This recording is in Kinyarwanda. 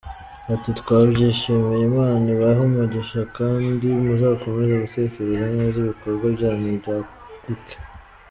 Ati " Twabyishimiye Imana ibahe umugisha kandi muzakomeze gutekereza neza ibikorwa byanyu byaguke.